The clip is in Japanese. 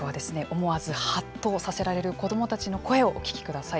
思わず、はっとさせられる子どもたちの声をお聞きください。